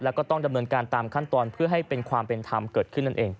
แล้วก็ต้องดำเนินการตามขั้นตอนเพื่อให้เป็นความเป็นธรรมเกิดขึ้นนั่นเอง